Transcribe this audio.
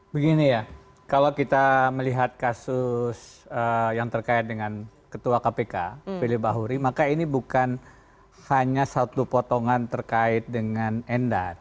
begini ya kalau kita melihat kasus yang terkait dengan ketua kpk fili bahuri maka ini bukan hanya satu potongan terkait dengan endar